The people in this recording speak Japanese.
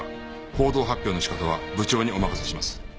報道発表の仕方は部長にお任せします。